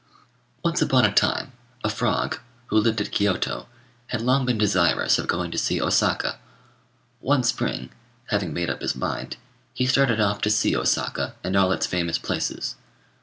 Once upon a time, a frog, who lived at Kiôto, had long been desirous of going to see Osaka. One spring, having made up his mind, he started off to see Osaka and all its famous places.